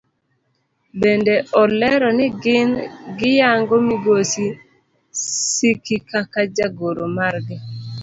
Bende olero ni gin giyango migosi Siki kaka jagoro margi.